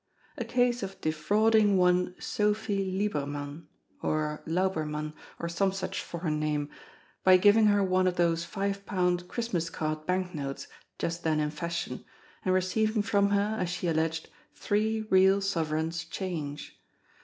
A case of defrauding one Sophie Liebermann, or Laubermann, or some such foreign name, by giving her one of those five pound Christmas card banknotes just then in fashion, and receiving from her, as she alleged, three real sovereigns change.